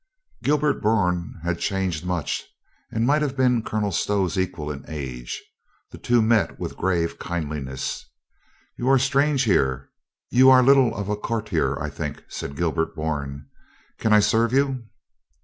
Gilbert Bourne had changed much and might have been Colonel Stow's equal in age. The two met with a grave kindliness. "You are strange here. You are little of a courtier, I think," said Gilbert Bourne. "Can I serve you?"